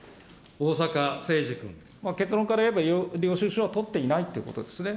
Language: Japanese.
結論から言えば、領収書は取っていないっていうことですね。